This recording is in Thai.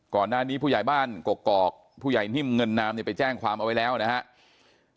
ก่อนหน้านี้ผู้ใหญ่บ้านกกอกผู้ใหญ่นิ่มเงินนามเนี่ยไปแจ้งความเอาไว้แล้วนะครับ